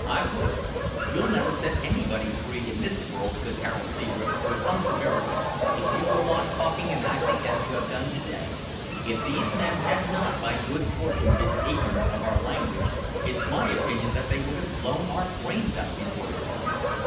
I would!" "You'll never set anybody free in this world," said Harold Seadrift, with some severity, "if you go on talking and acting as you have done to day. If these men had not, by good fortune, been ignorant of our language, it's my opinion that they would have blown our brains out before this time.